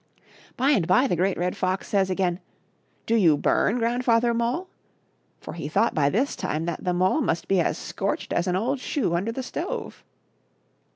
By and by the Great Red Fox says again :" Do you bum. Grandfather Mole ?" for he thought by this time that the mole must be as scorched as an old shoe under the stove.